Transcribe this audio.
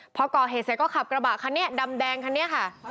พอก่อเหตุเสร็จก็ขับกระบะคันนี้ดำแดงคันนี้ค่ะ